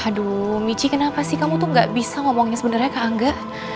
aduh mici kenapa sih kamu tuh gak bisa ngomongnya sebenernya ke angga